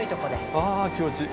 ああ気持ちいい。